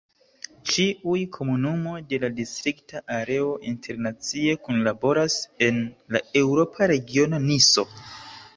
Ĉiuj komunumoj de la distrikta areo internacie kunlaboras en la eŭropa regiono Niso.